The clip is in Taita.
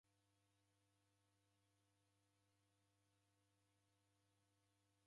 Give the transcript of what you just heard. Lala naighu ini nilale nandonyi